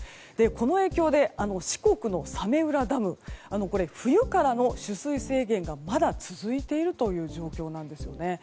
この影響で、四国の早明浦ダム冬からの取水制限がまだ続いている状況です。